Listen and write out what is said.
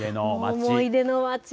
思い出の街。